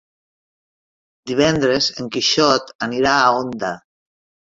Divendres en Quixot anirà a Onda.